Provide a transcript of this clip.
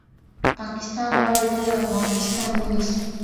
پاکستان غواړي ټول افغانستان ونیسي